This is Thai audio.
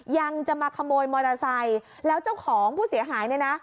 ยังจะมาขโมยมอเตอร์ไซค์แล้วเจ้าของผู้เสียหายเนี่ยนะ